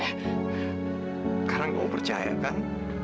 sekarang kamu percaya kan